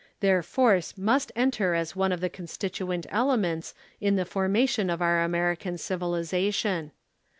Their force must enter as one of the constituent elements in the formation of our American civilization.